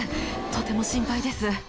とても心配です。